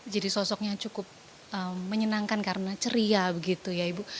jadi sosoknya cukup menyenangkan karena ceria begitu ya ibu